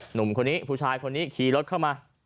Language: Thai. หนุ่มคนนี้ผู้ชายคนนี้ขี่รถเข้ามา